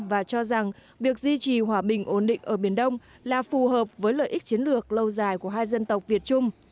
và cho rằng việc duy trì hòa bình ổn định ở biển đông là phù hợp với lợi ích chiến lược lâu dài của hai dân tộc việt trung